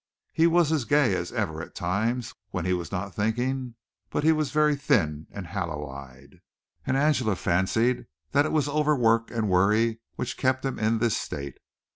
He was as gay as ever at times, when he was not thinking, but he was very thin and hollow eyed, and Angela fancied that it was overwork and worry which kept him in this state.